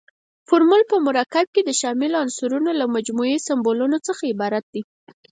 فورمول په یو مرکب کې د شاملو عنصرونو له مجموعي سمبولونو څخه عبارت دی.